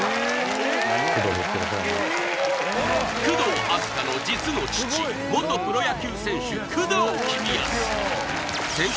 工藤阿須加の実の父元プロ野球選手工藤公康選手